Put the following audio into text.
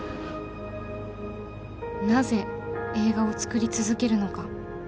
「なぜ映画をつくり続けるのか？」。